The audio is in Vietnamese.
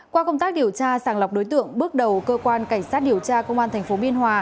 qua công tác điều tra sàng lọc đối tượng bước đầu cơ quan cảnh sát điều tra công an tp biên hòa